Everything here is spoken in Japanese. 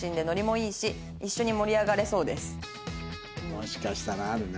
もしかしたらあるな。